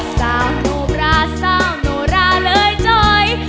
สาวรูปราสาวโนราเลยจอย